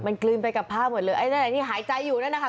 มันกลืนไปกับผ้าหมดเลยไอ้นั่นแหละที่หายใจอยู่นั่นนะคะ